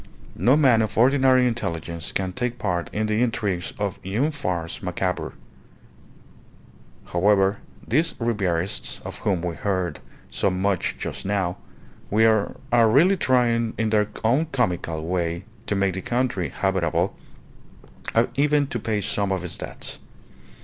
No man of ordinary intelligence can take part in the intrigues of une farce macabre. However, these Ribierists, of whom we hear so much just now, are really trying in their own comical way to make the country habitable, and even to pay some of its debts.